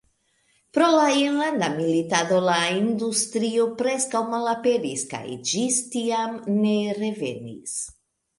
Pro la enlanda militado la industrio preskaŭ malaperis kaj ĝis tiam ne revenis.